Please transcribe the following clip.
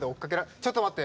ちょっと待って。